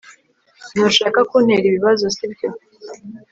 ntushaka kuntera ibibazo, sibyo